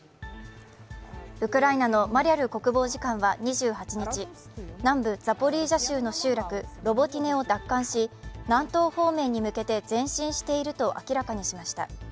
ウクライナのマリャル国防次官は２８日、南部ザポリージャ州の集落・ロボティネを奪還し、南東方面に向けて前進していると明らかにしました。